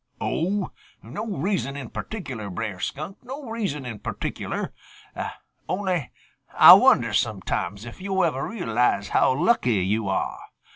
"Oh, no reason in particular, Brer Skunk. No reason in particular. Only Ah wonder sometimes if yo' ever realize how lucky yo' are.